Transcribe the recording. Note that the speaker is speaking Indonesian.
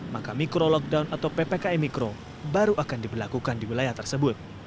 maka mikro lockdown atau ppkm mikro baru akan diberlakukan di wilayah tersebut